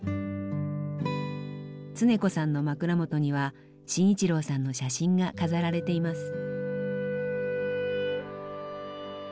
恒子さんの枕元には信一郎さんの写真が飾られています。